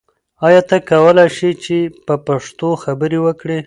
ایا ته کولای شې چې په پښتو خبرې وکړې؟